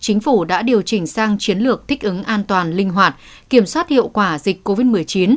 chính phủ đã điều chỉnh sang chiến lược thích ứng an toàn linh hoạt kiểm soát hiệu quả dịch covid một mươi chín